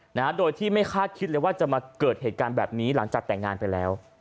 นะฮะโดยที่ไม่คาดคิดเลยว่าจะมาเกิดเหตุการณ์แบบนี้หลังจากแต่งงานไปแล้ว